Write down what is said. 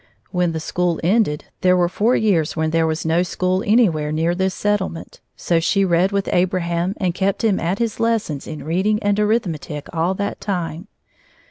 When the school ended, there were four years when there was no school anywhere near their settlement, so she read with Abraham and kept him at his lessons in reading and arithmetic all that time.